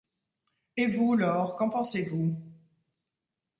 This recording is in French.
Et vous, Laure, qu’en pensez-vous ?